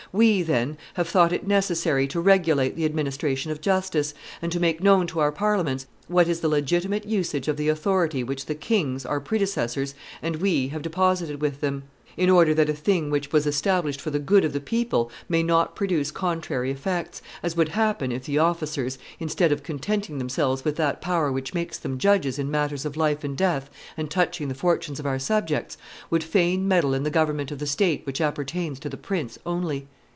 ... We, then, have thought it necessary to regulate the administration of justice, and to make known to our parliaments what is the legitimate usage of the authority which the kings, our predecessors, and we have deposited with them, in order that a thing which was established for the good of the people may not produce contrary effects, as would happen if the officers, instead of contenting themselves with that power which makes them judges in matters of life and death and touching the fortunes of our subjects, would fain meddle in the government of the state which appertains to the prince only."